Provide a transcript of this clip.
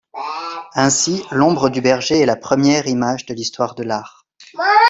Ainsi, l'ombre du berger est la première image de l'histoire de l'art.